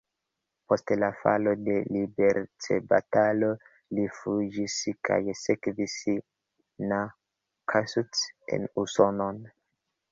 Post la falo de liberecbatalo li fuĝis kaj sekvis na Kossuth en Usonon.